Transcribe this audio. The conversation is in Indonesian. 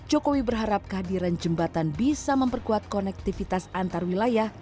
jokowi berharap kehadiran jembatan bisa memperkuat konektivitas antarwilayah